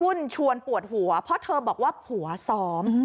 ชวนปวดหัวเพราะเธอบอกว่าผัวซ้อม